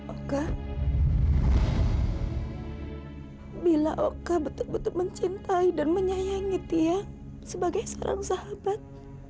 oka bila oka betul betul mencintai dan menyayangi tia sebagai seorang sahabat